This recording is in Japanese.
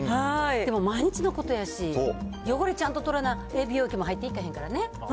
でも毎日のことやし、汚れちゃんと取らな、ええ美容液も入っていかないからね。